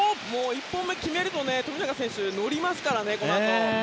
１本目決めると富永選手は乗りますからね。